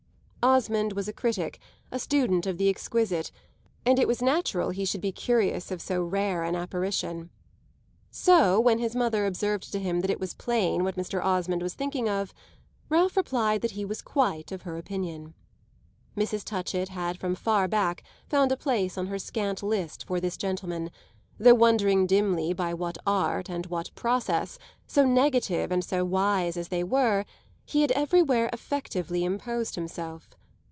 Osmond was a critic, a student of the exquisite, and it was natural he should be curious of so rare an apparition. So when his mother observed to him that it was plain what Mr. Osmond was thinking of, Ralph replied that he was quite of her opinion. Mrs. Touchett had from far back found a place on her scant list for this gentleman, though wondering dimly by what art and what process so negative and so wise as they were he had everywhere effectively imposed himself.